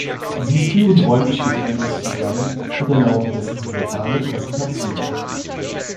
Sie führen räumlich Getrenntes zusammen und erlauben dessen simultane Präsentation.